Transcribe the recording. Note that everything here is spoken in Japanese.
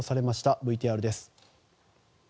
ＶＴＲです。